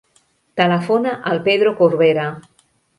Telefona al Pedro Corbera.